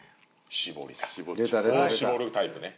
絞るタイプね。